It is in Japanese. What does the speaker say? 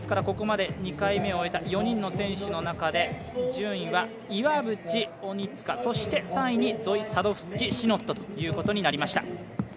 ここまで２回目を終えた４人の選手の中で順位は岩渕、鬼塚、そして３位にゾイ・サドフスキ・シノットということになりました。